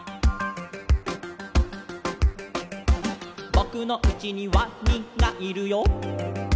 「ぼくのうちにワニがいるよ」